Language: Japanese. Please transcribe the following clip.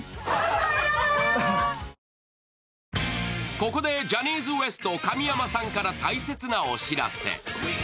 ここでジャニーズＷＥＳＴ神山さんから大切なお知らせ。